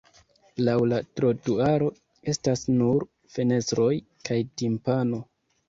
Laŭ la trotuaro estas nur fenestroj kaj timpano.